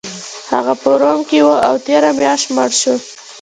هغه په روم کې و او تیره میاشت مړ شو